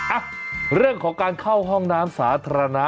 อ่ะเรื่องของการเข้าห้องน้ำสาธารณะ